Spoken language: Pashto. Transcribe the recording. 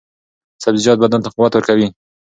سبزیجات بدن ته قوت ورکوي.